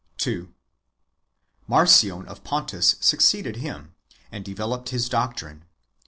2. Marcion of Pontus succeeded him, and developed his doctrine.